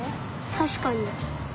たしかに。